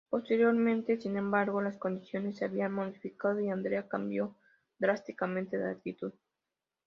Posteriormente, sin embargo, las condiciones se habían modificado y Andrea cambio drásticamente de actitud.